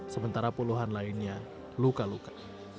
sementara puluhan lainnya luka luka